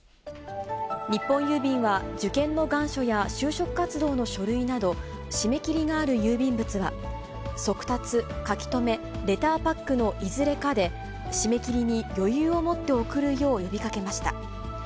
日本郵便は、受験の願書や就職活動の書類など、締め切りがある郵便物は速達、書留、レターパックのいずれかで、締め切りに余裕をもって送るよう呼びかけました。